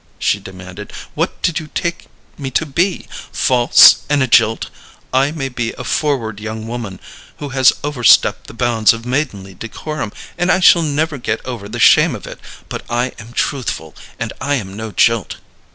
she demanded. "What did you take me to be false and a jilt? I may be a forward young woman, who has overstepped the bounds of maidenly decorum, and I shall never get over the shame of it, but I am truthful, and I am no jilt."